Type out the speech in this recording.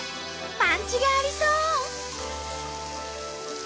パンチがありそう！